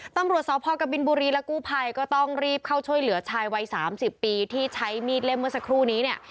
ตำรวจสพกบินบุรีและกู้ภัยก็ต้องรีบเข้าช่วยเหลือชายวัย๓๐ปีที่ใช้มีดเล่มเมื่อสักครู่นี้เนี่ย